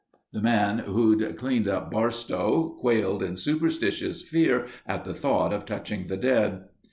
The man who'd cleaned up Barstow, quailed in superstitious fear at the thought of touching the dead.